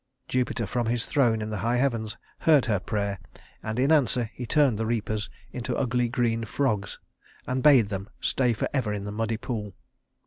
Jupiter from his throne in the high heavens heard her prayer, and in answer he turned the reapers into ugly green frogs and bade them stay forever in the muddy pool.